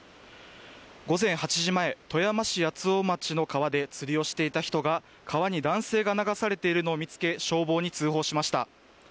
午前８時前、富山市八尾町の川で釣りをしていた人が川に男性が流されているのを見つけ、消防に通報しました。